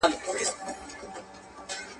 عدالت له ظلم څخه ډېر ارزښت لري.